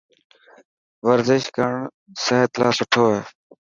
ورزش ڪرن سحت لاءِ سٺو هي.